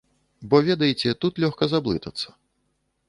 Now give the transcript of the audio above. Бо, ведаеце, тут лёгка заблытацца.